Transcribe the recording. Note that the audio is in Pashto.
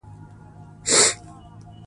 ښارونه د افغانستان د ښاري پراختیا سبب کېږي.